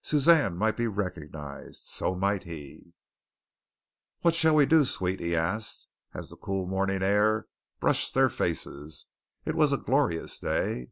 Suzanne might be recognized. So might he. "What shall we do, sweet?" he asked, as the cool morning air brushed their faces. It was a glorious day.